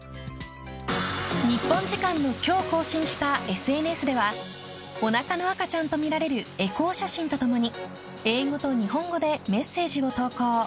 日本時間の今日更新したＳＮＳではおなかの赤ちゃんとみられるエコー写真とともに英語と日本語でメッセージを投稿。